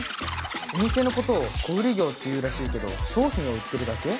お店のことを小売業っていうらしいけど商品を売ってるだけ？